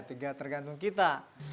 tidak tergantung kita